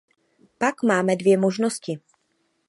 Pak máme dvě možnosti.